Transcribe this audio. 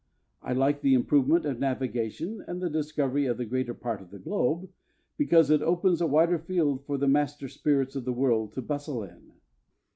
I like the improvement of navigation and the discovery of the greater part of the globe, because it opens a wider field for the master spirits of the world to bustle in.